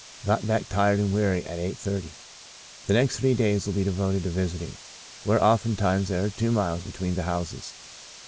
Got back tired and weary at eight thirty. The next three days will be devoted to visiting, where oftentimes there are two miles be tween the houses.